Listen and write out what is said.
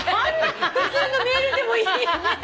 普通のメールでもいいよね。